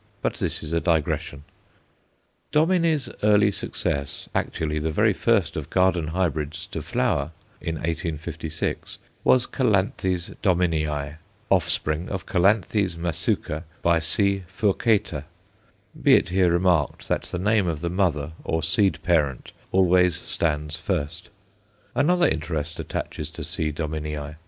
But this is a digression. Dominy's earliest success, actually the very first of garden hybrids to flower in 1856 was Calanthe Dominii, offspring of C. Masuca × C. furcata; be it here remarked that the name of the mother, or seed parent, always stands first. Another interest attaches to C. Dominii.